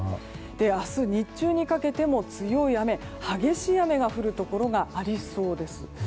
明日日中にかけても強い雨、激しい雨が降るところがありそうです。